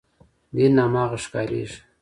دین هماغه ښکارېږي.